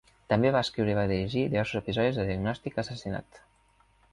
També va escriure i va dirigir diversos episodis de "Diagnòstic: Assassinat".